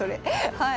はい。